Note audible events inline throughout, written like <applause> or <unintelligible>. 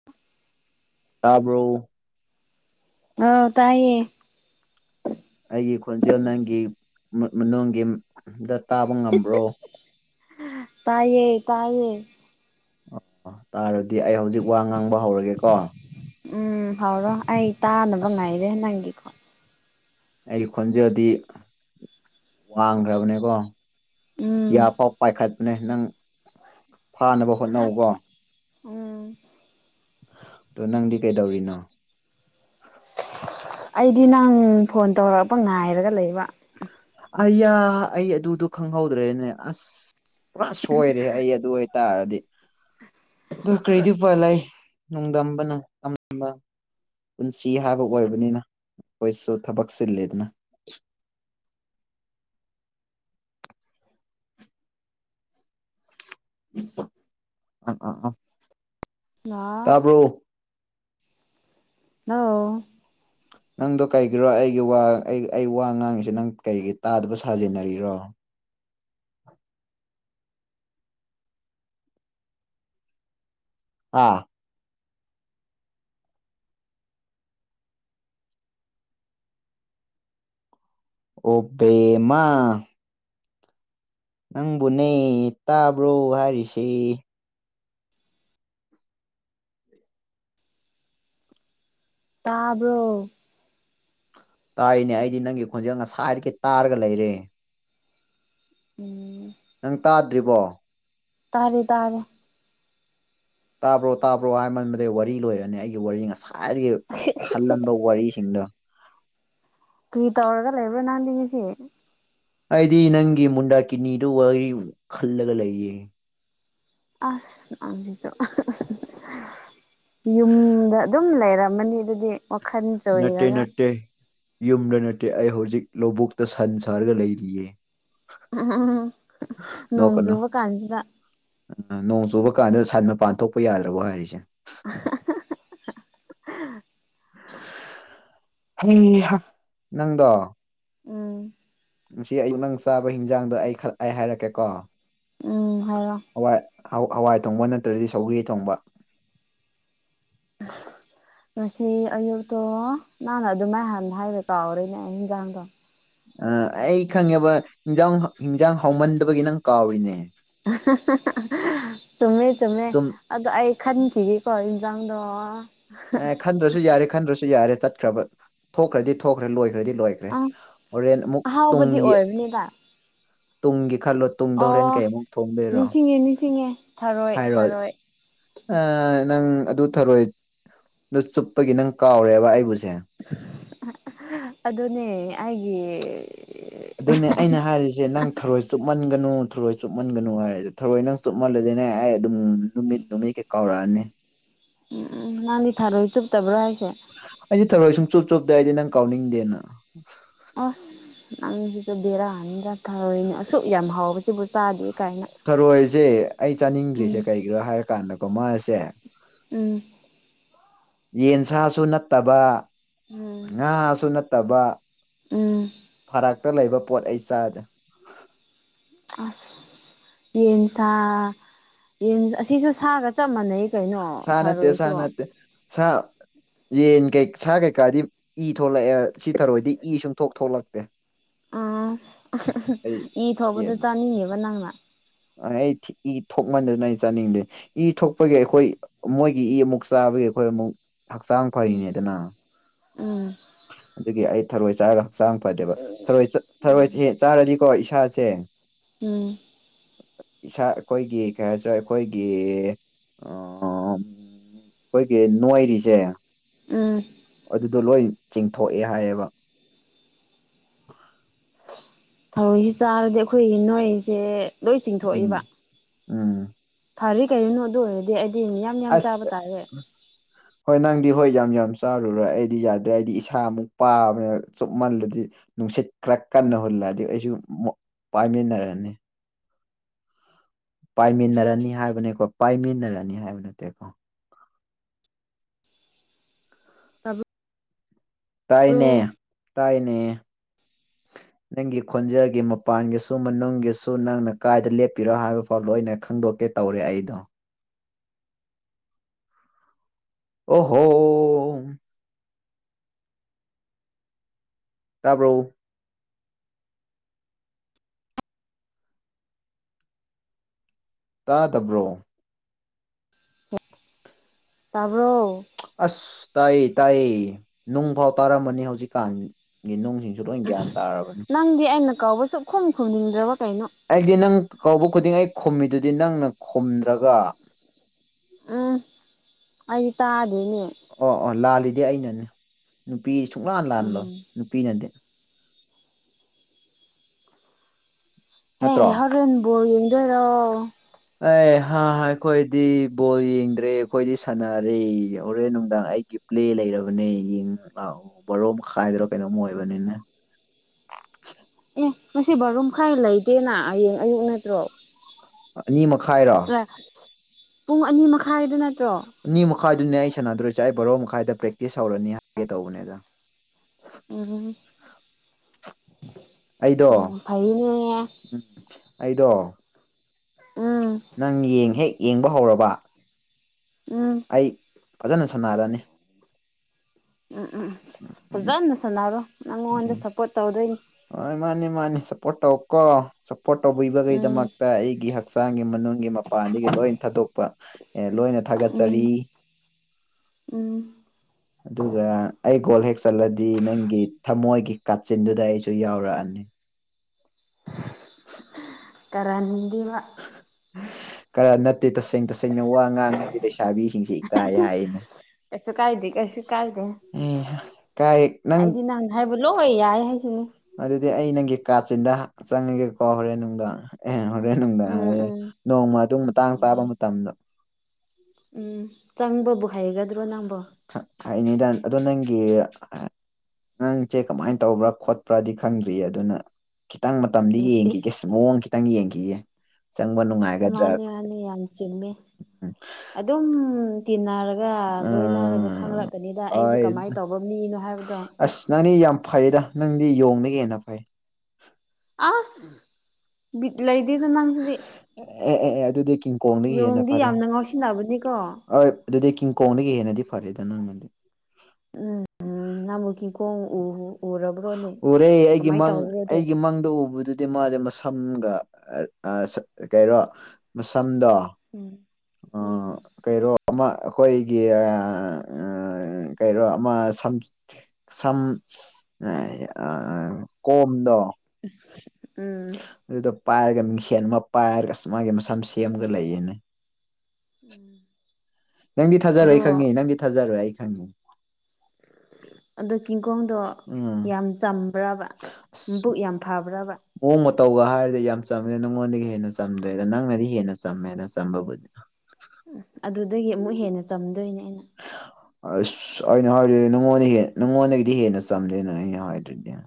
<unintelligible> ꯇꯥꯕꯔꯣ ꯑꯥ ꯇꯥꯏꯌꯦ ꯑꯩꯒꯤ ꯈꯣꯟꯖꯦꯜ ꯅꯪꯒꯤ ꯃꯅꯨꯡꯒꯤ ꯗꯥ ꯇꯥꯕ ꯉꯝꯕ꯭ꯔꯣ ꯇꯥꯏꯌꯦ ꯇꯥꯏꯌꯦ ꯑꯣ ꯇꯥꯔꯗꯤ ꯑꯩ ꯍꯧꯖꯤꯛ ꯋꯥ ꯉꯥꯡꯕ ꯍꯧꯔꯒꯦꯀꯣ ꯎꯝ ꯍꯧꯔꯣ ꯑꯩ ꯇꯥꯅꯕ ꯑꯁ ꯉꯥꯏꯔꯦ ꯅꯪꯒꯤꯀꯣ ꯑꯩ ꯈꯣꯟꯖꯦꯜꯗꯤ ꯋꯥꯡꯈ꯭ꯔꯕꯅꯦꯀꯣ ꯎꯝ ꯑꯇꯤꯌꯥꯐꯥꯎ ꯄꯥꯏꯈꯠꯄꯅꯦ ꯅꯪ ꯐꯥꯅꯕ ꯍꯣꯠꯅꯧꯀꯣ ꯎꯝ ꯗꯣ ꯅꯪꯗꯤ ꯀꯩꯗꯧꯔꯤꯅꯣ ꯑꯩꯗꯤ ꯅꯪ ꯐꯣꯟ ꯇꯧꯔꯛꯄ ꯉꯥꯏꯔꯒ ꯂꯩꯕ ꯑꯌꯥ ꯑꯩ ꯑꯗꯨꯗꯣ ꯈꯪꯍꯧꯗ꯭ꯔꯦꯅꯦ ꯑꯁ ꯄꯨꯔꯥ ꯁꯣꯏꯔꯦ ꯑꯩ ꯑꯗꯨ ꯑꯣꯏ ꯇꯥꯔꯗꯤ ꯑꯗꯨ ꯀꯔꯤꯗꯤ ꯎꯄꯥꯏ ꯂꯩ ꯅꯣꯡꯗꯝꯕꯅ ꯇꯝꯕ ꯄꯨꯟꯁꯤ ꯍꯥꯏꯕ ꯑꯣꯏꯕꯅꯤꯅ ꯑꯩꯈꯣꯏꯁꯨ ꯊꯕꯛ ꯆꯤꯜꯂꯦꯗꯅ <unintelligible> ꯑꯥ ꯑꯥ ꯑꯥ ꯉꯥ ꯇꯥꯕ꯭ꯔꯣ ꯍꯜꯂꯣ ꯅꯪꯗꯣ ꯀꯩꯒꯤꯔꯣ ꯑꯩꯒꯤ ꯋꯥ ꯑꯩ ꯑꯩ ꯋꯥ ꯉꯥꯡꯉꯤꯁꯦ ꯅꯪ ꯀꯩꯒꯤ ꯇꯥꯗꯕ ꯁꯥꯖꯤꯟꯅꯔꯤꯔꯣ ꯑꯥ ꯑꯣ ꯕꯦꯝꯃꯥ ꯅꯪꯕꯨꯅꯦ ꯇꯥꯕ꯭ꯔꯣ ꯍꯥꯏꯔꯤꯁꯦ ꯇꯥꯕ꯭ꯔꯣ ꯇꯥꯏꯅꯦ ꯑꯩꯗꯤ ꯅꯪꯒꯤ ꯈꯣꯟꯖꯦꯜ ꯉꯁꯥꯏꯗꯒꯤ ꯇꯥꯔꯒ ꯂꯩꯔꯦ ꯎꯝ ꯅꯪ ꯇꯥꯗ꯭ꯔꯤꯕꯣ ꯇꯥꯔꯦ ꯇꯥꯔꯦ ꯇꯥꯕ꯭ꯔꯣ ꯇꯥꯕ꯭ꯔꯣ ꯍꯥꯏꯃꯟꯕꯗꯩ ꯋꯥꯔꯤ ꯂꯣꯏꯔꯅꯤ ꯑꯩꯒꯤ ꯋꯥꯔꯤ ꯉꯁꯥꯏꯗꯒꯤ ꯈꯜꯂꯝꯕ ꯋꯥꯔꯤ ꯁꯤꯡꯗꫭ ꯀꯔꯤꯇꯧꯔꯒꯥ ꯂꯩꯕ꯭ꯔꯥ ꯅꯪꯗꯤ ꯉꯁꯤ ꯑꯩꯗꯤ ꯅꯪꯒꯤ ꯃꯨꯟꯗꯥ ꯀꯤꯅꯤꯗꯣ ꯋꯥꯔꯤ ꯈꯜꯂꯒ ꯂꯩꯌꯦ ꯑꯁ ꯅꯪꯁꯤꯁꯨ ꯌꯨꯝꯗ ꯑꯗꯨꯝ ꯂꯩꯔꯝꯃꯅꯤ ꯑꯗꯨꯗꯤ ꯋꯥꯈꯜ ꯅꯠꯇꯦ ꯆꯣꯏꯔꯒ ꯅꯠꯇꯦ ꯌꯨꯝꯗ ꯅꯠꯇꯦ ꯑꯩ ꯍꯧꯖꯤꯛ ꯂꯧꯕꯨꯛꯇꯥ ꯁꯟ ꯁꯥꯔꯒ ꯂꯩꯔꯤꯌꯦ <unintelligible> ꯅꯣꯡ ꯅꯣꯛꯀꯅꯨ ꯆꯨꯕ ꯀꯥꯟꯖꯤꯗꯥ ꯅꯣꯡ ꯆꯨꯕ ꯀꯥꯟꯗ ꯁꯟ ꯃꯄꯥꯟ ꯊꯣꯛꯄ ꯌꯥꯗ꯭ꯔꯕꯣ ꯍꯥꯏꯁꯦ <unintelligible> ꯍꯩ ꯍꯥꯥ ꯅꯪꯗꯣ ꯎꯝ ꯉꯁꯤ ꯑꯌꯨꯛ ꯅꯪ ꯆꯥꯕ ꯍꯤꯟꯖꯥꯡꯗꯣ ꯑꯩ ꯍꯥꯏꯔꯛꯀꯦꯀꯣ ꯎꯝ ꯍꯥꯏꯔꯣ ꯍꯋꯥꯏ ꯍꯧ ꯍꯋꯥꯏ ꯊꯣꯡꯕ ꯅꯠꯇ꯭ꯔꯗꯤ ꯁꯧꯒ꯭ꯔꯤ ꯊꯣꯡꯕ <inaudible> ꯉꯁꯤ ꯑꯌꯨꯛꯇꯣ ꯅꯪꯅ ꯑꯗꯨꯝꯃꯥꯏ ꯌꯥꯝ ꯍꯥꯏꯕꯒꯤ ꯀꯥꯎꯔꯤꯅꯦ ꯑꯩ ꯍꯤꯟꯖꯥꯡꯗꯣ ꯑꯥ ꯑꯩ ꯈꯪꯉꯦꯕ ꯏꯟꯖꯥꯡ ꯏꯟꯖꯥꯡ ꯍꯥꯎꯃꯟꯗꯕꯒꯤ ꯅꯪ ꯀꯥꯎꯔꯤꯅꯦ ꯆꯨꯝꯃꯦ ꯆꯨꯝꯃꯦ ꯁꯨꯝ ꯑꯗꯣ ꯑꯩ ꯈꯟꯈꯤꯒꯦꯀꯣ ꯏꯤꯟꯖꯥꯡꯗꯣ ꯑꯦ ꯈꯟꯗ꯭ꯔꯁꯨ ꯌꯥꯔꯦ ꯈꯟꯗ꯭ꯔꯁꯨ ꯌꯥꯔꯦ ꯆꯠꯈ꯭ꯔꯕ ꯊꯣꯛꯈ꯭ꯔꯗꯤ ꯊꯣꯛꯈ꯭ꯔꯦ ꯂꯣꯏꯈ꯭ꯔꯗꯤ ꯂꯣꯏꯈ꯭ꯔꯦ ꯑꯥ ꯈꯔꯦ ꯍꯣꯔꯦꯟ ꯑꯃꯨꯛ ꯑꯍꯥꯎꯕꯗꯤ ꯇꯨꯡꯒꯤ ꯑꯣꯏꯕꯅꯤꯗ ꯇꯨꯡꯒꯤ ꯈꯜꯂꯣ ꯇꯨꯡꯗꯥ ꯍꯣꯔꯦꯟ ꯑꯣ ꯀꯩꯑꯃꯨꯛꯛ ꯊꯣꯡꯗꯣꯏꯔꯣ ꯅꯤꯡꯁꯤꯡꯉꯦ ꯅꯤꯡꯁꯤꯡꯉꯦ ꯊꯔꯣꯏ ꯍꯥꯏꯔꯣ ꯊꯔꯣꯏ ꯅꯪ ꯑꯗꯨ ꯊꯔꯣꯏ ꯑꯗꯨ ꯆꯨꯞꯄꯒꯤ ꯅꯪ ꯀꯥꯎꯔꯦꯕ ꯑꯩꯕꯨꯁꯦ ꯑꯗꯨꯅꯦ ꯑꯩꯒꯤ ꯑꯗꯨꯅꯦ ꯑꯩꯅ ꯍꯥꯏꯔꯤꯁꯦ ꯅꯪ ꯊꯔꯣꯏ ꯆꯨꯞꯃꯟꯒꯅꯨ ꯊꯔꯣꯏ ꯆꯨꯞꯃꯟꯒꯅꯨ ꯍꯥꯏꯔꯁꯦ ꯊꯔꯣꯏ ꯅꯪ ꯆꯨꯞꯃꯜꯂꯗꯤꯅꯦ ꯑꯗꯨꯝ ꯅꯨꯃꯤꯠ ꯅꯨꯃꯤꯠ ꯀꯩ ꯀꯥꯎꯔꯛꯑꯅꯤ ꯎꯝ ꯎꯝ ꯅꯪꯗꯤ ꯊꯥꯔꯣꯏ ꯆꯨꯞꯇꯕ꯭ꯔꯣ ꯍꯥꯏꯁꯦ ꯑꯩꯗꯤ ꯊꯕꯣꯢ ꯁꯨꯡ ꯆꯨꯞ ꯆꯨꯞꯇꯦ ꯑꯩꯗꯤ ꯅꯪ ꯀꯥꯎꯅꯤꯡꯗꯦꯅ ꯑꯁ ꯅꯪꯖꯤꯖꯨ ꯕꯦꯔꯥꯅꯤꯗ ꯊꯥꯔꯣꯢ ꯑꯁꯨꯛ ꯌꯥꯝ ꯍꯥꯎꯕꯁꯤꯕꯨ ꯆꯥꯗꯦ ꯀꯥꯢꯅ꯫ ꯊꯔꯣꯏꯁꯦ ꯑꯩ ꯆꯥꯅꯤꯡꯗ꯭ꯔꯤꯁꯦ ꯀꯩꯒꯤꯔꯣ ꯍꯥꯏꯔꯀꯥꯟꯗꯀꯣ ꯃꯥꯁꯦ ꯎꯝ ꯌꯦꯟꯁꯥꯁꯨ ꯅꯠꯇꯕ ꯉꯥꯁꯨ ꯅꯠꯇꯕ ꯎꯝ ꯎꯝ ꯐꯔꯥꯛꯇ ꯂꯩꯕ ꯄꯣꯠ ꯑꯩ ꯆꯥꯗꯦ꯫ ꯑꯁ ꯌꯦꯟꯁ ꯌꯦꯟ ꯑꯁꯤꯁꯨ ꯁꯥꯒ ꯆꯞ ꯃꯥꯟꯅꯩ ꯀꯩꯅꯣ ꯁꯥ ꯅꯠꯇꯦ ꯁꯥ ꯊꯥꯔꯣꯏꯁꯨ ꯅꯠꯇꯦ ꯁꯥ ꯌꯦꯟ ꯀꯩ ꯁꯥ ꯀꯩꯀꯥꯗꯤ ꯏ ꯊꯣꯛꯂꯛꯑꯦ ꯁꯤ ꯊꯔꯣꯢꯗꯤ ꯏ ꯁꯨꯡ ꯊꯣꯛ ꯊꯣꯛꯂꯛꯇꯦ꯫ ꯑ ꯑꯩ ꯏ ꯊꯣꯛꯄꯗ ꯑꯩ ꯆꯥꯅꯤꯡꯗ‌ꯦꯕ ꯅꯪꯅ ꯑꯩ ꯏ ꯊꯣꯛꯃꯟꯗꯅ ꯑꯩ ꯆꯥꯅꯤꯡꯗꯦ ꯏ ꯊꯣꯛꯄꯒꯤ ꯑꯩꯈꯣꯏ ꯃꯣꯏ ꯒꯤ ꯏ ꯑꯃꯨꯛ ꯆꯥꯕꯒꯤ ꯑꯩꯈꯣꯏ ꯑꯃꯨꯛ ꯍꯛꯆꯥꯡ ꯎꯝ ꯐꯔꯤꯅꯦꯗꯅ ꯎꯝ ꯑꯗꯨꯒꯤ ꯑꯩ ꯊꯔꯣꯏ ꯆꯥꯔꯒ ꯍꯛꯆꯥꯡ ꯐꯗꯦꯕ ꯊꯔꯣꯏ ꯊꯔꯣꯏ ꯍꯦꯛ ꯆꯥꯔꯗꯤꯀꯣ ꯏꯁꯥꯁꯦ ꯎꯝ ꯏꯁꯥ ꯑꯩꯈꯣꯏꯒꯤ ꯀꯩ ꯍꯥꯏꯁꯤꯔ ꯑꯩꯈꯣꯏꯒꯤ ꯑꯩꯈꯣꯏꯒꯤ ꯅꫭꯏꯔꯤꯁꯦ ꯎꯝ ꯑꯗꯨꯗꯣ ꯂꯣꯏ ꯆꯤꯡꯊꯣꯛꯑꯦ ꯍꯥꯏꯌꯦꯕ ꯊꯔꯣꯏꯁꯤ ꯆꯥꯔꯗꯤ ꯑꯩꯈꯣꯏꯒꯤ ꯅꯣꯏꯔꯤꯁꯦ ꯂꯣꯏ ꯎꯝ ꯆꯤꯡꯊꯣꯛꯏꯕ ꯎꯝ ꯐꯔ‌ꯦ ꯀꯔꯤꯅꯣ ꯑꯗꯨ ꯑꯣꯏꯔꯗꯤ ꯑꯩꯗꯤ ꯃꯌꯝ ꯑꯁ ꯍꯣꯏ ꯅꯪꯗꯤ ꯍꯣꯏ ꯌꯥꯝ ꯌꯥꯝ ꯆꯥꯔꯨꯔꯣ ꯑꯩꯗꯤ ꯌꯥꯗ꯭ꯔꯦ ꯑꯩꯗꯤ ꯏꯁꯥ ꯑꯃꯨꯛ ꯄꯥꯕꯅꯦ ꯆꯨꯞꯃꯜꯂꯗꯤ ꯅꯨꯡꯁꯤꯠ ꯈꯔ ꯀꯟꯅ ꯍꯨꯜꯂꯛꯑꯗꯤ ꯑꯩꯁꯨ ꯃꯣ ꯄꯥꯢꯃꯤꯟꯅꯔꯅꯤ꯫ ꯄꯥꯏꯃꯤꯟꯅꯔꯅꯤ ꯍꯥꯏꯕꯅꯤꯀꯣ ꯄꯥꯏꯃꯤꯟꯅꯔꯅꯤ ꯍꯥꯏꯕ ꯅꯠꯇꯦꯀꯣ <inaudible> ꯇꯥꯏꯅꯦ-ꯇꯥꯏꯅꯦ ꯅꯪꯒꯤ ꯈꯣꯟꯖꯦꯜꯒꯤ ꯃꯄꯥꯟꯒꯤꯁꯨ ꯃꯅꯨꯡꯒꯤꯁꯨ ꯅꯪꯅ ꯀꯥꯏꯗ ꯂꯦꯞꯄꯤꯔꯣ ꯍꯥꯏꯕ ꯐꯥꯎꯗ ꯂꫭꯏ ꯈꯪꯗꯣꯛꯀꯦ ꯇꯧꯔꯦ ꯑꯩꯗꯣ ꯑꯣ ꯍꯣ ꯇꯥꯕ꯭ꯔꯣ ꯇꯥꯗꯕ꯭ꯔꯣ ꯇꯥꯕ꯭ꯔꯣ ꯑꯁ ꯇꯥꯏꯌ‌ꯦ- ꯇꯥꯏꯌꯦ ꯅꯨꯡꯐꯥꯎ ꯇꯥꯔꯝꯃꯅꯤ ꯍꯧꯖꯤꯛꯀꯥꯟꯒꯤ ꯅꯨꯡ ꯂꯣꯏ ꯒ꯭ꯌꯥꯟ ꯇꯥꯔꯕꯅꯤ ꯅꯪꯗꯤ ꯑꯩꯅ ꯀꯧꯕ ꯁꯨꯈꯨꯝ ꯈꯨꯝꯅꯤꯡꯗ꯭ꯔꯕ ꯀꯩꯅꯣ ꯑꯩꯗꯤ ꯅꯪ ꯀꯧꯕ ꯈꯨꯗꯤꯡ ꯑꯩ ꯈꯨꯝꯃꯤꯗꯨꯗꯤ ꯅꯪꯅ ꯈꯨꯝꯗ꯭ꯔꯒ ꯎꯝ ꯑꯩꯗꯤ ꯇꯥꯗ‌ꯦꯅꯦ ꯑꯣ ꯑꯣ ꯂꯥꯜꯂꯤꯗꯤ ꯑꯩꯅꯅꯦ ꯅꯨꯄꯤ ꯁꯨꯡꯂꯥꯟ ꯎꯝ ꯂꯥꯜꯂꯣꯏ ꯅꯨꯄꯤꯅꯗꯤ ꯅꯠꯇ꯭ꯔꯣ ꯍꯨꯔꯦꯟ ꯕꯣꯜ ꯌꯦꯡꯗꯣꯢꯔꯣ꯫ ꯑꯦ ꯍꯥ ꯑꯩꯈꯣꯏꯗꯤ ꯕꯣꯜ ꯌꯦꯡꯗ꯭ꯔꯦ ꯑꯩꯈꯣꯏꯗꯤ ꯁꯥꯟꯅꯔꯦ ꯌꯧꯔꯦꯟ ꯅꯨꯡꯗꯥꯡ ꯑꯩꯒꯤ ꯄ꯭ꯂꯦ ꯂꯩꯔꯕꯅꯦ ꯌꯦꯡꯉ ꯂꯥꯛꯑꯣ ꯕꯣꯔꯣ ꯃꯈꯥꯏꯗ꯭ꯔꯥ ꯀꯩꯅꯣꯝ ꯑꯣꯏꯕꯅꯤꯅ ꯑꯦ ꯑꯁꯤ ꯕꯥꯔ‌ꯣ ꯃꯈꯥꯏ ꯂꯩꯇꯦꯅ ꯍꯌꯦꯡ ꯑꯌꯨꯛ ꯅꯠꯇ꯭ꯔꯣ ꯑꯅꯤ ꯃꯈꯥꯏꯔꯣ ꯄꯨꯡ ꯑꯅꯤ ꯃꯈꯥꯏꯗꯨ ꯅꯠꯇ꯭ꯔꯣ ꯑꯅꯤ ꯃꯈꯥꯢꯗꯨꯅꯦ ꯑꯩ ꯁꯥꯟꯅꯗꯔ꯭ꯣꯢꯁꯦ ꯑꯩ ꯕꯥꯔꯣ ꯃꯈꯥꯢꯗ ꯄ꯭ꯔꯦꯛꯇꯤꯁ ꯍꯧꯔꯅꯤ ꯍꯥꯢꯒꯦ ꯇꯧꯕꯅꯦꯗ ꯎꯝ ꯑꯩꯗꯣ ꯎꯝ ꯐꯩꯅꯦ <inaudible> ꯑꯩꯗꯣ ꯎꯝ ꯅꯪ ꯍꯦꯛ ꯌꯦꯡꯕ ꯍꯧꯔꯕ ꯎꯝ ꯑꯩ ꯐꯖꯅ ꯁꯥꯟꯅꯔꯅꯤ ꯎꯝ ꯎꯝ ꯎꯝ ꯎꯝ ꯐꯖꯅ ꯁꯥꯟꯅꯔꯣ ꯅꯪꯉꯣꯟꯗ ꯁꯞꯄꯣꯔꯠ ꯇꯧꯗꯣꯏꯅꯤ ꯍ‌ꯣꯏ ꯃꯥꯅꯤ ꯃꯥꯅꯤ ꯁꯞꯄ‌ꯣꯔꯠ ꯇꯧꯀ‌ꯣ ꯁꯞꯄꯣꯔꯠ ꯎꯝ ꯇꯧꯕꯤꯕꯒꯤꯗꯃꯛꯇ ꯑꯩꯒꯤ ꯍꯛꯆꯥꯡꯒꯤ ꯃꯅꯨꯡꯒꯤ ꯃꯄꯥꯟꯗꯒꯤ ꯂꯣꯏꯅ ꯊꯥꯗꯣꯛꯄ ꯑꯦ ꯂꯣꯏꯅ ꯎꯝ ꯊꯥꯒꯠꯆꯔꯤ ꯎꯝ ꯑꯗꯨꯒ ꯑꯩ ꯀ‌ꯣꯜ ꯍꯦꯛ ꯆꯠꯂꯗꯤ ꯅꯪꯒꯤ ꯊꯃꯣꯏꯒꯤ ꯀꯥꯆꯤꯟꯗꯨꯗ ꯑꯩꯁꯨ ꯌꯥꯎꯔꯛꯑꯅꯤ ꯇꯔꯅꯤꯡꯗꯤꯕ ꯈꯔ ꯅꯠ ꯇꯁꯦꯡ ꯇꯁꯦꯡꯅ ꯋꯥ ꯉꯥꯡ ꯑꯃꯗꯤ ꯂꯩꯁꯥꯕꯤꯁꯤꯡꯁꯤ ꯏꯀꯥꯏ ꯍꯥꯏꯌꯦꯅꯦ ꯀꯩꯁꯨ ꯀꯥꯏꯗꯦ ꯀꯩꯁꯨ ꯀꯥꯏꯗꯦ ꯎ ꯀꯥꯏ ꯅꯪ ꯍꯥꯏꯕ ꯂꯣꯏ ꯌꯥꯏꯑꯦ ꯍꯥꯏ ꯁꯤꯅꯤ ꯑꯗꯨꯗꯤ ꯑꯩ ꯅꯪꯒꯤ ꯀꯥꯆꯤꯟꯗ ꯆꯪꯉꯒꯦꯀꯣ ꯍꯣꯔꯦꯟ ꯅꯨꯡꯗ ꯑꯦ ꯍꯣꯔꯦꯟ ꯅꯨꯡꯗ ꯎꯝ ꯎꯝ ꯅꯣꯡꯃ ꯑꯗꯨ ꯃꯇꯥꯡ ꯆꯥꯕ ꯌꯥꯏ ꯃꯇꯝꯗ ꯎꯝ ꯆꯪꯕꯕꯨ ꯍꯩꯒꯗ꯭ꯔꯣ ꯅꯪꯕꯣ ꯍꯥꯏꯅꯤꯗ ꯑꯗꯣ ꯅꯪꯒꯤ ꯅꯪꯁꯦ ꯀꯃꯥꯏꯅ ꯇꯧꯕ꯭ꯔꯥ ꯈꯣꯠꯄ꯭ꯔꯥꯗꯤ ꯈꯪꯗ꯭ꯔꯤꯌꯦ ꯑꯗꯨꯅ ꯈꯤꯇꯪ ꯃꯇꯝꯗꯤ ꯏꯁ ꯏꯁ ꯌꯦꯡꯈꯤꯒꯦ ꯃꯑꯣꯡ ꯈꯤꯇꯪ ꯌꯦꯡꯈꯤꯌꯦ ꯆꯪꯕ ꯅꯨꯡꯉꯥꯏ ꯃꯥꯅꯦ-ꯃꯥꯅꯦ ꯌꯥꯝ ꯆꯨꯝꯃꯦ ꯎꯝ ꯑꯗꯨꯝ ꯇꯤꯟꯅꯔꯒ ꯂꯣꯏꯅꯔꯒ ꯈꯪꯂꯔꯛꯀꯅꯤꯗ ꯑꯩꯁꯦ ꯍꯣꯏ ꯀꯃꯥꯏꯅ ꯇꯧꯕ ꯃꯤꯅꯣ ꯍꯥꯏꯕꯗꯣ ꯅꯪꯅꯤ ꯌꯥꯝ ꯐꯩꯌꯦꯗ ꯅꯪꯗꯤ ꯌꯣꯡꯗꯒꯤ ꯍꯦꯟꯅꯥ ꯐꯩ ꯑꯁꯕꯤꯠ ꯂꯩꯗꯤꯗ ꯅꯪꯁꯤꯗꯤ ꯑꯦ ꯑꯦ ꯑꯦ ꯑꯗꯨꯗꯤ ꯀꯤꯡꯀꯣꯡꯗꯒꯤ ꯍꯦꯟꯅ ꯌꯣꯡꯗꯤ ꯐꯔꯦ ꯌꯥꯝꯅ ꯉꯥꯎꯁꯤꯟꯅꯕꯅꯤꯀꯣ ꯍꯣꯏ ꯑꯗꯨꯗꯤ ꯀꯤꯡꯀꯣꯡꯗꯒꯤ ꯍꯦꯟꯅꯗꯤ ꯐꯔꯦꯗ ꯅꯪꯅꯗꯤ ꯎꯝ ꯎꯝ ꯅꯃꯨꯛ ꯆꯤꯡꯈ‌ꯣꯡ‌ ꯎ ꯎꯔꯕ꯭ꯔꯣꯅꯦ ꯎꯔꯦ ꯑꯩꯒꯤ ꯀꯃꯥꯏꯅ ꯃꯪ ꯇꯧꯕ꯭ꯔꯣꯗꯣ ꯑꯩꯒꯤ ꯃꯪꯗ ꯎꯕꯗꯨ ꯍꯥꯏ ꯃꯥꯗꯤ ꯃꯁꯝꯒ ꯀꯔꯣ ꯃꯁꯝꯗꯣ ꯎꯝ ꯎꯝ ꯀꯔꯣ ꯑꯃ ꯑꯩꯈꯣꯏꯒꯤ ꯀꯔꯣ ꯑꯃ ꯁꯝ ꯁꯝ ꯀꯣꯝꯗꯣ ꯑ ꯎꯝ ꯑꯗꯨꯗ ꯄꯥꯏꯔꯒ ꯃꯤꯡꯁꯦꯟ ꯑꯃ ꯄꯥꯏꯔꯒ ꯃꯥꯒꯤ ꯃꯁꯝ ꯁꯦꯝꯒ ꯂꯩꯌꯦꯅꯦ <inaudible> ꯅꯪꯗꯤ ꯊꯥꯖꯔꯣꯏ ꯑꯗꯣ ꯑꯩ ꯈꯪꯉꯤ ꯅꯪꯗꯤ ꯊꯥꯖꯔꯣꯏ ꯑꯩ ꯈꯪꯉꯤ ꯑꯗꯣ ꯀꯤꯡꯀ‌ꯣꯡꯗꯣ ꯎꯝ ꯌꯥꯝ ꯆꯝꯕ꯭ꯔꯕ ꯑꯁ ꯅꯕꯨꯛ ꯌꯥꯝ ꯐꯕ꯭ꯔꯕ ꯃꯑꯣꯡ ꯃꯇꯧꯒ ꯍꯥꯢꯔꯗꯤ ꯌꯥꯝ ꯆꯝꯃꯦ ꯅꯪꯉꯣꯟꯗꯒꯤ ꯍꯦꯟꯅ ꯆꯝꯗ꯭ꯔꯦꯗ ꯅꯪꯅꯗꯤ ꯍꯦꯟꯅ ꯆꯝꯃꯦꯗ ꯆꯝꯕꯕꯨꯗꯤ ꯎꯝ ꯑꯗꯨꯗꯒꯤ ꯑꯃꯨꯛ ꯍꯦꯟꯅ ꯆꯝꯗꯣꯏꯅꯦ ꯑꯩꯅ ꯑꯁ ꯑꯩꯅ ꯍꯥꯏꯗꯤꯉꯣꯟꯗ ꯅꯉꯣꯟꯗꯒꯤꯗꯤ ꯍꯦꯟꯅ ꯆꯝꯂꯦꯅ ꯑꯩꯅ ꯍꯥꯏꯗꯨꯗꯤ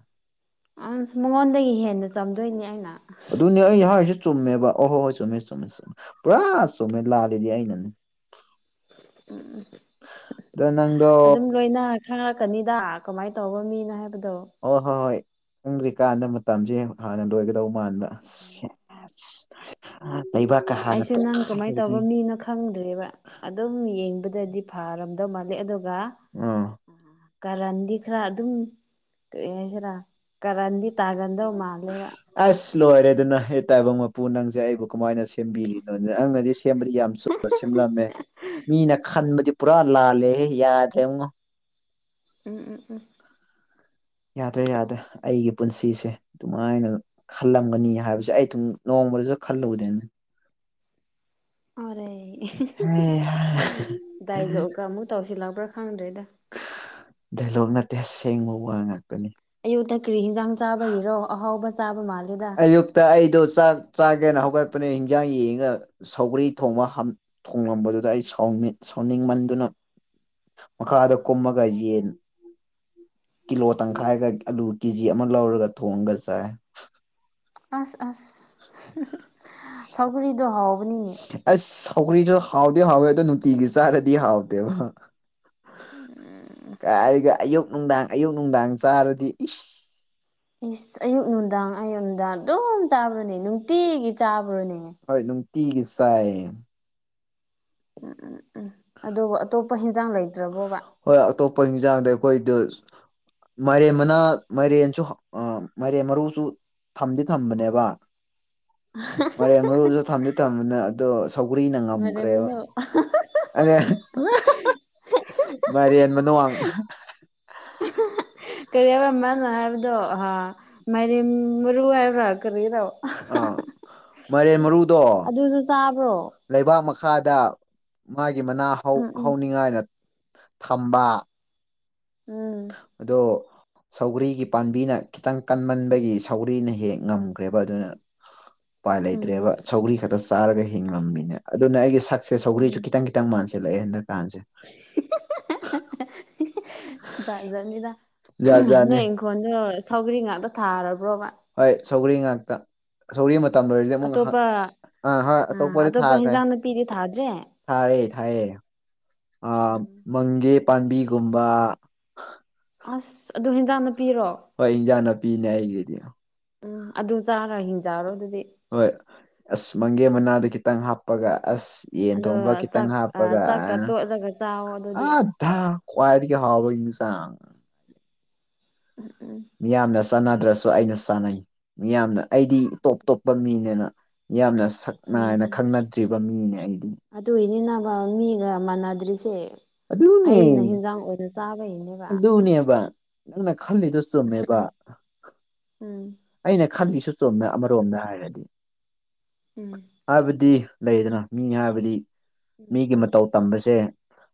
ꯑꯪ ꯃꯉꯣꯟꯗꯒꯤ ꯍꯦꯟꯅ ꯆꯝꯗꯣꯏꯅꯦ ꯑꯩꯅ ꯑꯗꯨꯅꯦ ꯑꯩ ꯍꯥꯏꯁꯦ ꯆꯨꯝꯃꯦꯕ ꯑꯣꯍꯣꯏ ꯍꯣꯏ ꯆꯨꯝꯃꯦ ꯆꯨꯝꯃꯦ ꯄꯨꯔꯥ ꯆꯨꯝꯃꯦ ꯂꯥꯜꯂꯤꯗꯤ ꯑꯩꯅꯅꯤ ꯑꯗꯨꯝ ꯂꯣꯏꯅ ꯈꯪꯔꯛꯀꯥꯅꯤꯗ ꯀꯃꯥꯏ ꯇꯧꯕ ꯃꯤꯅꯣ ꯍꯥꯏꯕꯗꯣ ꯑꯣ ꯍꯣꯏ ꯍꯣꯏ ꯈꯪꯗ꯭ꯔꯤꯀꯥꯟꯗ ꯃꯥꯇꯝꯖꯦ ꯍꯥꯟꯅ ꯂꯣꯏꯒꯥꯗꯧ ꯃꯥꯟꯕ ꯂꯩꯕꯥꯛ ꯑꯩꯁꯨ ꯅꯪ ꯀꯃꯥꯏ ꯇꯧꯕ ꯃꯤꯅꯣ ꯈꯪ ꯈꯪꯗ꯭ꯔꯦꯕ ꯑꯗꯨꯝ ꯌꯦꯡꯕꯗꯗꯤ ꯐꯔꯝꯗꯧ ꯃꯥꯜꯂꯦ ꯑꯗꯨꯒ ꯑꯥ ꯀꯔꯟꯗꯤ ꯈꯔ ꯑꯗꯨꯝ ꯀꯔꯤ ꯍꯥꯏꯁꯤꯔꯥ ꯀꯔꯟꯗꯤ ꯇꯥꯒꯟꯗꯧ ꯃꯥꯂꯦꯕ ꯑꯁ ꯂꯣꯏꯔꯦꯗꯅ ꯍꯦ ꯇꯥꯏꯕꯪ ꯃꯄꯨ ꯅꯪꯁꯦ ꯑꯩꯕꯨ ꯀꯃꯥꯏꯅ ꯁꯦꯝꯕꯤꯔꯤꯅꯣ ꯅꯪꯅꯗꯤ ꯁꯦꯝꯕꯗꯤ ꯌꯥꯝ ꯆꯨꯝꯅ ꯁꯦꯝꯂꯝꯃꯦ ꯃꯤꯅ ꯈꯟꯕꯥꯗꯤ ꯄꯨꯔꯥ ꯂꯥꯜꯂꯦꯍꯦ ꯌꯥꯗ꯭ꯔꯦꯉꯣ ꯎꯝ ꯎꯝ ꯎꯝ ꯌꯥꯗ꯭ꯔꯦ ꯌꯥꯗ꯭ꯔꯦ ꯑꯩꯒꯤ ꯄꯨꯟꯁꯤꯁꯦ ꯑꯗꯨꯃꯥꯏꯅ ꯈꯜꯂꯝꯒꯅꯤ ꯍꯥꯏꯕꯁꯦ ꯑꯩ ꯑꯗꯨꯝ ꯅꯣꯡꯃꯗꯨꯗ ꯈꯜꯂꯨꯕꯗꯥꯅꯤ ꯑꯔꯦ <unintelligible> ꯗꯥꯏ ꯂꯣꯛꯑꯒ ꯑꯃꯨꯛ ꯇꯧꯁꯤꯜꯂꯛꯄ꯭ꯔꯥ ꯈꯪꯗ꯭ꯔꯦꯗ ꯗꯥꯏꯂꯣꯛ ꯅꯠꯇꯦ ꯑꯁꯦꯡꯕ ꯋꯥ ꯉꯥꯛꯇꯅꯦ ꯑꯌꯨꯛꯇ ꯀ꯭ꯔꯤ ꯍꯤꯟꯖꯥꯡ ꯆꯥꯕꯒꯤꯔꯣ ꯑꯍꯥꯎꯕ ꯆꯥꯕ ꯃꯥꯜꯂꯦꯗꯥ ꯑꯌꯨꯛꯇ ꯑꯩꯗꯣ ꯆꯥꯛ ꯆꯥꯒꯦꯅ ꯍꯧꯒꯠꯄꯅꯦ ꯍꯤꯟꯖꯥꯡ ꯌꯦꯡꯉꯒ ꯁꯧꯒ꯭ꯔꯤ ꯊꯣꯡꯕ ꯊꯣꯡꯂꯝꯕꯗꯨꯗ ꯑꯩꯥ ꯁꯥꯎꯅꯤꯡ ꯁꯥꯎꯅꯤꯡꯃꯟꯗꯨꯅ ꯃꯈꯥꯗ ꯀꯨꯝꯃꯒ ꯌꯦꯟ ꯀꯤꯂꯣ ꯇꯪꯈꯥꯏꯒ ꯑꯂꯨ ꯀꯦ ꯖꯤ ꯑꯃ ꯂꯧꯔꯒ ꯊꯣꯡꯉꯒ ꯆꯥꯏ ꯑꯁ ꯑꯁ ꯁꯧꯥꯎꯒꯔꯤꯗꯣ ꯍꯥꯎꯕꯅꯤꯅꯦ ꯑꯁ ꯁꯧꯒ꯭ꯔꯤꯗꯨ ꯍꯥꯎꯗꯤ ꯍꯥꯎꯋꯦ ꯑꯗꯣ ꯅꯨꯡꯇꯤꯒꯤ ꯆꯥꯔꯗꯤ ꯍꯥꯎꯇꯦꯕ ꯎꯝ ꯀꯥꯏꯒ ꯑꯌꯨꯛ ꯅꯨꯡꯗꯥꯡ ꯑꯌꯨꯛ ꯅꯨꯡꯗꯥꯡ ꯆꯥꯔꯗꯤ ꯏꯁ ꯏꯁ ꯑꯌꯨꯛ ꯅꯨꯡꯗꯥꯡ ꯑꯌꯨꯛ ꯅꯨꯡꯗꯥꯡ ꯑꯗꯨꯝ ꯆꯥꯕ꯭ꯔꯣꯅꯦ ꯅꯨꯡꯇꯤꯒꯤ ꯆꯥꯕ꯭ꯔꯣꯅꯦ ꯍꯣꯏ ꯅꯨꯡꯇꯤꯒꯤ ꯆꯥꯏꯌꯦ ꯎꯝ ꯎꯝ ꯎꯝ ꯑꯗꯨꯕꯨ ꯑꯇꯣꯞꯄ ꯍꯤꯟꯖꯥꯡ ꯂꯩꯇ꯭ꯔꯥꯕꯣꯕ ꯍꯣꯏ ꯑꯇꯣꯞꯄ ꯏꯟꯖꯥꯡꯗꯩ ꯑꯩꯈꯣꯏꯗꯨ ꯃꯥꯏꯔꯦꯟ ꯃꯅꯥ ꯃꯥꯏꯔꯦꯟꯁꯨ ꯃꯥꯏꯔꯦꯟ ꯃꯥꯔꯨꯁꯨ ꯊꯝꯗꯤ ꯊꯝꯕꯥꯅꯦꯕ ꯃꯥꯏꯔꯦꯟ ꯃꯔꯨꯁꯨ ꯊꯝꯗꯤ ꯊꯝꯕꯥꯅꯦ ꯑꯗꯣ ꯁꯧꯒ꯭ꯔꯤꯅ ꯃꯔꯝ ꯉꯝꯈ꯭ꯔꯦꯕ ꯑꯃꯅ <unintelligible> ꯃꯥꯏꯔꯦꯟ ꯃꯅꯨꯡꯋꯥꯡ ꯀꯔꯤ ꯍꯥꯏꯕ꯭ꯔ ꯃꯥꯅ ꯍꯥꯏꯕꯗꯣ ꯍꯥ ꯃꯥꯏꯔꯦꯟ ꯃꯔꯨ ꯍꯥꯏꯕ꯭ꯔꯥ ꯀꯔꯤ꯭ꯔꯣ ꯑꯥ ꯃꯥꯏꯔꯦꯟ ꯃꯔꯨꯗꯣ ꯑꯗꯨꯁꯨ ꯆꯥꯕ꯭ꯔꯣ ꯂꯩꯕꯥꯛ ꯃꯈꯥꯗ ꯃꯥꯒꯤ ꯃꯅꯥ ꯍꯧ ꯎꯝ ꯍꯧꯅꯤꯡꯉꯥꯏꯅ ꯊꯝꯕ ꯎꯝ ꯑꯗꯣ ꯁꯧꯒꯔꯤꯒꯤ ꯄꯥꯝꯕꯤꯅ ꯈꯤꯇꯪ ꯀꯟꯃꯟꯕꯥꯒꯤ ꯁꯧꯒ꯭ꯔꯤꯅ ꯍꯦꯛ ꯉꯝꯈ꯭ꯔꯦꯕꯥ ꯑꯗꯨꯅ <unintelligible> ꯎꯄꯥꯏ ꯎꯝ ꯂꯩꯇ꯭ꯔꯦꯕ ꯁꯧꯒ꯭ꯔꯤ ꯈꯛꯇ ꯆꯥꯔꯒ ꯍꯤꯡꯡꯂꯝꯃꯤꯅꯦ ꯑꯗꯨꯅ ꯑꯩꯒꯤ ꯁꯛꯁꯦ ꯁꯧꯒ꯭ꯔꯤꯁꯨ ꯎꯝ ꯈꯤꯇꯪ ꯈꯤꯇꯪ ꯃꯥꯟꯁꯤꯜꯂꯛꯑꯦ ꯍꯟꯗꯛ ꯀꯥꯟꯁꯦ <unintelligible> ꯖꯥꯠ ꯖꯥꯠꯅꯤꯗ ꯖꯥꯠ ꯖꯥꯠꯅꯤ ꯅꯣꯏ ꯍꯤꯡꯒꯣꯟꯗꯣ ꯁꯧꯒ꯭ꯔꯤ ꯉꯥꯛꯇ ꯊꯥꯔꯕ꯭ꯔꯣꯕꯥ ꯍꯣꯏ ꯁꯧꯒꯔꯤ ꯉꯥꯛꯇꯥ ꯁꯣꯔꯤ ꯃꯇꯝ ꯂꯣꯏꯔꯗꯤ ꯑꯃꯨꯛ ꯑꯇꯣꯞꯄ ꯑ ꯑꯥ ꯑꯇꯣꯞꯄꯗꯤ ꯑꯇꯣꯞꯄ ꯊꯥꯈ꯭ꯔꯦ ꯍꯦꯟꯖꯥꯡ ꯅꯥꯄꯤꯗꯤ ꯊꯥꯗ꯭ꯔꯦ ꯊꯥꯔꯦ ꯊꯥꯏꯌꯦ ꯎꯝ ꯃꯪꯒꯦ ꯄꯥꯝꯕꯤꯒꯨꯝꯕ ꯑꯁ ꯑꯗꯨ ꯍꯦꯟꯖꯥꯡ ꯅꯥꯄꯤꯔꯣ ꯍꯣꯏ ꯏꯟꯖꯥꯡ ꯅꯥꯄꯤꯅꯦ ꯑꯩꯒꯤꯗꯤ ꯎꯝ ꯑꯗꯨ ꯆꯥꯔ ꯍꯤꯡꯖꯥꯔꯣ ꯑꯗꯨꯗꯤ ꯍꯣꯏ ꯑꯁ ꯃꯪꯒꯦ ꯃꯅꯥꯗ ꯈꯤꯇꯪ ꯍꯥꯞꯄꯒ ꯑꯁ ꯌꯦꯟ ꯑꯗꯣ ꯊꯣꯡꯕ ꯈꯤꯇꯪ ꯆꯥꯛ ꯍꯥꯞꯄꯒ ꯑ ꯆꯥꯛꯀ ꯇꯣꯠꯂꯒ ꯆꯥꯎ ꯑꯗꯨꯗꯤ ꯍ ꯀꯋꯥꯏꯔꯗꯒꯤ ꯍꯕ ꯏ ꯃꯤꯁ ꯎꯝ ꯎꯝ ꯃꯤꯌꯥꯝꯅ ꯆꯥꯟꯅꯗ꯭ꯔꯁꯨ ꯑꯩꯅ ꯆꯥꯟꯅꯩ ꯌꯥꯝꯅ ꯑꯩꯗꯤ ꯇꯣꯞ ꯇꯣꯞꯄ ꯃꯤꯅꯦꯅ ꯌꯥꯝꯅꯛ ꯎꯝ ꯅꯥꯏꯅ ꯎꯝ ꯈꯪꯅꯗ꯭ꯔꯤꯕ ꯃꯤꯅꯦ ꯑꯩꯗꯤ ꯑꯗꯨꯏꯅꯤꯅꯕ ꯃꯤꯒ ꯃꯥꯟꯅꯗ꯭ꯔꯤꯁꯦ ꯍꯩꯅ ꯍꯤꯟꯖꯥꯡ ꯑꯣꯏꯅ ꯆꯥꯕꯩꯅꯦ ꯑꯗꯨꯅꯦꯕꯥ ꯅꯪꯅ ꯈꯜꯂꯤꯗꯣ ꯎꯝ ꯑꯩꯅ ꯈꯜꯂꯤꯁꯨ ꯆꯣꯝꯃꯦ ꯑꯃꯥꯔꯣꯝꯗ ꯍꯥꯏꯔꯗꯤ ꯎꯝ ꯍꯥꯏꯕꯗꯤ ꯂꯩꯗꯅ ꯃꯤ ꯍꯥꯏꯕꯗꯤ ꯃꯤꯒꯤ ꯃꯇꯧ ꯇꯝꯕꯥꯁꯦ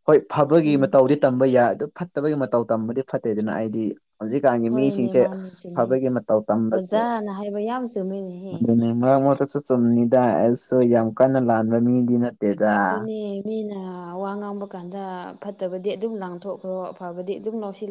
ꯍꯣꯏ ꯐꯕꯒꯤ ꯎꯝ ꯃꯇꯧꯗꯤ ꯇꯝꯕ ꯌꯥꯏ ꯑꯗꯨ ꯐꯠꯇꯕꯒꯤ ꯃꯇꯧ ꯇꯝꯕꯗꯤ ꯐꯠꯇꯦ ꯑꯗꯨꯅ ꯑꯩꯗꯤ ꯍꯧꯖꯤꯛꯀꯥꯟꯒꯤ ꯍꯣꯏꯅꯦ ꯃꯤꯁꯤꯡꯁꯦ ꯑꯁ ꯃꯥꯅꯦ ꯆꯨꯝꯃꯤꯅꯦ ꯐꯥꯕꯒꯤ ꯃꯇꯧ ꯇꯝꯕꯥꯁꯦ ꯑꯣꯖꯥꯅ ꯍꯥꯏꯕ ꯌꯥꯝ ꯆꯨꯝꯃꯤꯅꯦꯍꯦ ꯑꯗꯨꯅꯦ ꯃꯥꯔꯛ ꯃꯥꯔꯛꯇꯥꯁꯨ ꯆꯨꯝꯃꯤꯗ ꯑꯩꯁꯨ ꯌꯥꯝ ꯀꯟꯅ ꯂꯥꯟꯕ ꯃꯤꯗꯤ ꯅꯠꯇꯦꯗ ꯑꯗꯨꯅꯦ ꯃꯤꯅ ꯋꯥ ꯉꯥꯡꯕ ꯀꯥꯟꯗ ꯐꯠꯇꯕꯗꯤ ꯑꯗꯨꯝ ꯂꯥꯡꯊꯣꯛꯈ꯭ꯔꯣ ꯑꯐꯕꯗꯤ ꯑꯗꯨꯝ ꯂꯧꯁꯤꯜꯂ